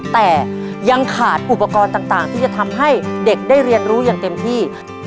แต่ยังขาดอุปกรณ์ต่างที่จะทำให้เด็กได้เรียนรู้อย่างเต็มที่